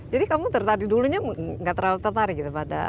jadi kamu tertarik dulunya nggak terlalu tertarik gitu pada